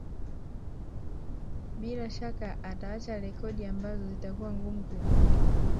Bila shaka ataacha rekodi ambazo zitakuwa ngumu kuvunjwa